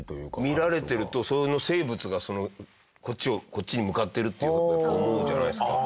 見られてるとその生物がこっちをこっちに向かってるっていう風に思うんじゃないですか。